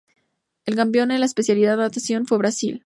El campeón de la especialidad Natación fue Brasil.